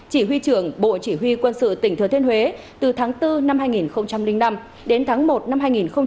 chỉ huy trưởng bộ chỉ huy quân sự tỉnh thừa thiên huế từ tháng bốn năm hai nghìn năm đến tháng một năm hai nghìn một mươi chín